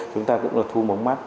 chúng ta cũng là thu mống mắt